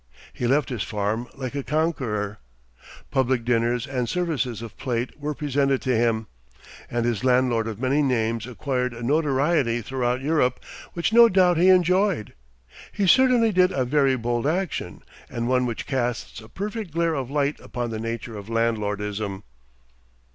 He left his farm like a conqueror. Public dinners and services of plate were presented to him, and his landlord of many names acquired a notoriety throughout Europe which no doubt he enjoyed. He certainly did a very bold action, and one which casts a perfect glare of light upon the nature of landlordism.